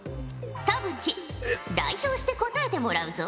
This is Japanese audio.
田渕代表して答えてもらうぞ。